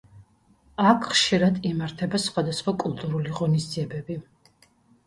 აქ ხშირად იმართება სხვადასხვა კულტურული ღონისძიებები.